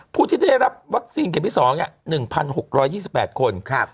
ผู้ที่ได้รับวัคซีนเข็มที่๒๑๖๒๘คน